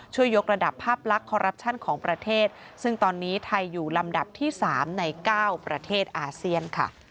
ช่วยยกระดับภาพลักษณ์ของประเทศซึ่งตอนนี้ไทยอยู่ลำดับที่๓ใน๙ประเทศอาเซียน